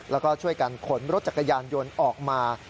แล้วก็ช่วยกันขนรถจักรยานยนต์ออกมา